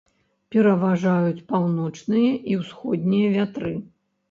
Пераважаюць паўночныя і ўсходнія вятры.